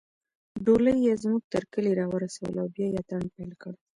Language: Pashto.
ډولۍ يې زموږ تر کلي راورسوله او بیا يې اتڼ پیل کړ